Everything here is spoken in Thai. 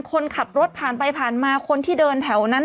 คนขับรถผ่านไปผ่านมาคนที่เดินแถวนั้น